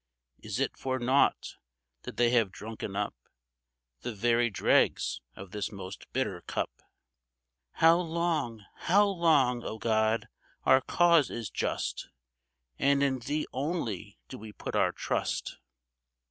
Is it for naught that they have drunken up The very dregs of this most bitter cup ? How long ? how long ? O God ! our cause is just, And in Thee only do we put our trust.